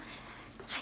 はい。